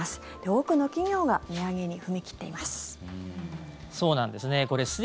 多くの企業が値上げに踏み切っています。